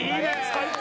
最高！